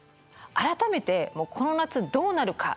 改めてこの夏どうなるか。